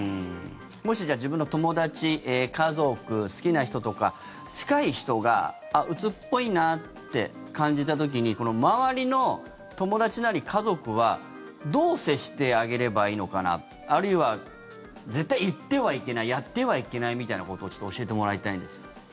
もし自分の友達、家族好きな人とか近い人があっ、うつっぽいなって感じた時に周りの友達なり家族はどう接してあげればいいのかなあるいは絶対に言ってはいけないやってはいけないみたいなことを教えてもらいたいんですけど。